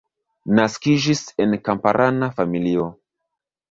Naskiĝis en kamparana familio.